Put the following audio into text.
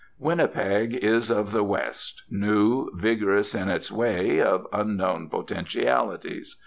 Winnipeg is of the West, new, vigorous in its way, of unknown potentialities.